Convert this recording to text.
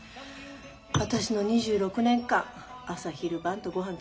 私の２６年間朝昼晩とごはん作ってきた。